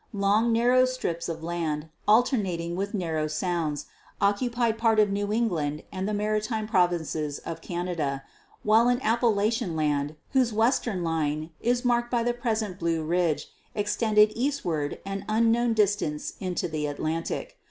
Long, narrow strips of land, alternating with narrow sounds, occupied part of New England and the maritime provinces of Canada, while an Appalachian land, whose western line is marked by the present Blue Ridge, extended eastward an unknown distance into the Atlantic.